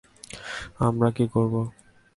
আমরা কি করবো?